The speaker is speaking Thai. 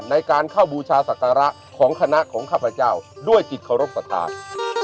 ในการเข้าบูชาศักระของคณะของข้าพเจ้าด้วยจิตเคารพสัทธา